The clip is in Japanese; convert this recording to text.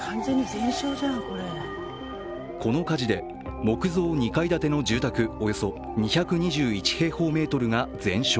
この火事で木造２階建ての住宅およそ２２１平方メートルが全焼。